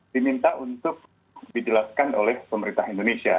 diminta untuk dijelaskan oleh pemerintah indonesia